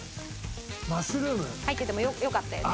入っててもよかったよね。